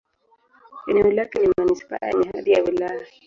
Eneo lake ni manisipaa yenye hadhi ya wilaya.